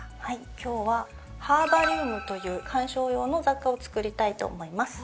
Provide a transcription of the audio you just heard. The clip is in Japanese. はい今日はハーバリウムという鑑賞用の雑貨を作りたいと思います。